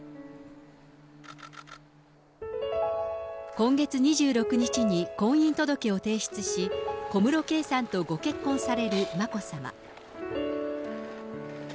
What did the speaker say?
今月２６日に婚姻届を提出し、小室圭さんとご結婚される眞子さま。